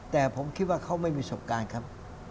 แต่ผมคิดว่าเขาไม่มีประสบการณ์ครับ